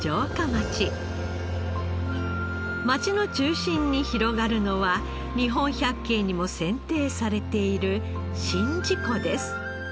町の中心に広がるのは日本百景にも選定されている宍道湖です。